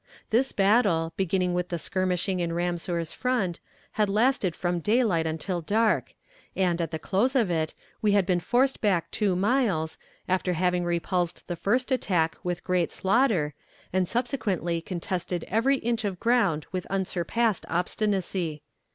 This battle, beginning with the skirmishing in Ramseur's front, had lasted from daylight until dark, and, at the close of it, we had been forced back two miles, after having repulsed the first attack with great slaughter, and subsequently contested every inch of ground with unsurpassed obstinacy.